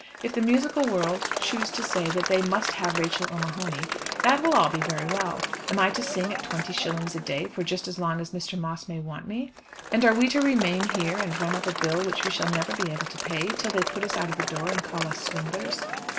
If the musical world choose to say that they must have Rachel O'Mahony, that will be all very well. Am I to sing at twenty shillings a day for just as long as Mr. Moss may want me? And are we to remain here, and run up a bill which we shall never be able to pay, till they put us out of the door and call us swindlers?"